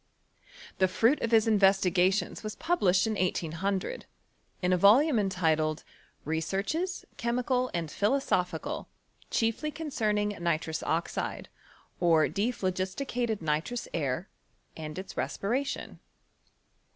The fruit of his investigations was published in 1800, in a volume entitled, " Re searches, Chemical and Philosophical ; chiefly con cerning Nitrous Oxide, or Dephlogisticated Nitrous Air, and its Respiration."